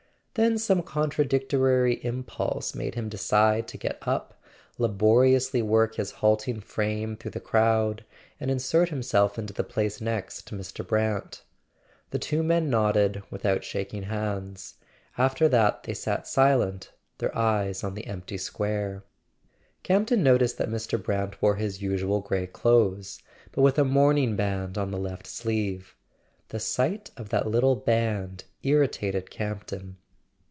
Then some contradic¬ tory impulse made him decide to get up, laboriously work his halting frame through the crowd, and insert himself into the place next to Mr. Brant. The two men nodded "without shaking hands; after that they sat silent, their eyes on the empty square. Campton [ 411 ] A SON AT THE FRONT noticed that Mr. Brant wore his usual gray clothes, but with a mourning band on the left sleeve. The sight of that little band irritated Campton.